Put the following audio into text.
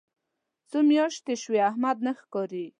څو میاشتې شوې احمد نه ښکاري.